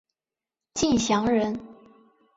敬翔人。